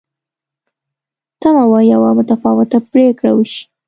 تمه وه یوه متفاوته پرېکړه وشي.